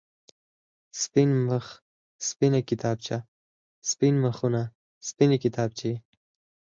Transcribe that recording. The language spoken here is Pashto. سپين مخ، سپينه کتابچه، سپين مخونه، سپينې کتابچې.